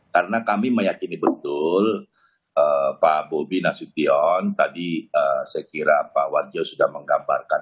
karena kami meyakini betul pak bobi nasution tadi sekira pak wadjo sudah menggambarkan